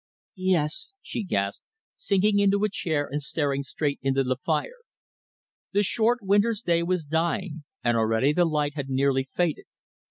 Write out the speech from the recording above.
"Yes," she gasped, sinking into a chair and staring straight into the fire. The short winter's day was dying, and already the light had nearly faded.